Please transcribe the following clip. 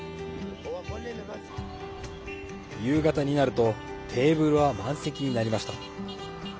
夕方になるとテーブルは満席になりました。